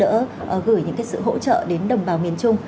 để chia giúp đỡ gửi những cái sự hỗ trợ đến đồng bào miền trung